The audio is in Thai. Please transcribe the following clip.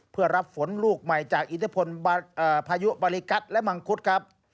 เพื่อรับฝนลูกใหม่จากอิทธิพลพายุบริกัสและมังคุดครับ